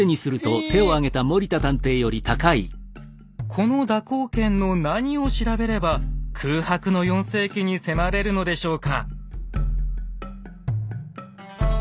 この蛇行剣の何を調べれば空白の４世紀に迫れるのでしょうか？